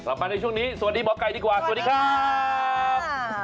มาในช่วงนี้สวัสดีหมอไก่ดีกว่าสวัสดีครับ